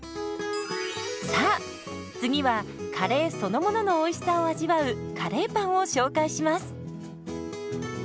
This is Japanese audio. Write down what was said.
さあ次はカレーそのもののおいしさを味わうカレーパンを紹介します。